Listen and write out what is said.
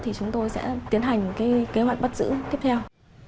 thì chúng tôi sẽ tiến hành cái kế hoạch bắt giữ tiếp theo